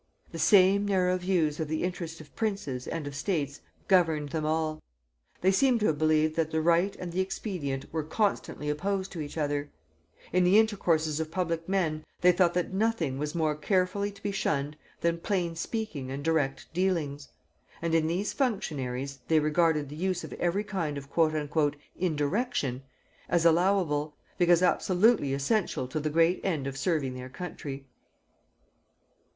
The same narrow views of the interest of princes and of states governed them all: they seem to have believed that the right and the expedient were constantly opposed to each other; in the intercourses of public men they thought that nothing was more carefully to be shunned than plain speaking and direct dealings, and in these functionaries they regarded the use of every kind of "indirection" as allowable, because absolutely essential to the great end of serving their country.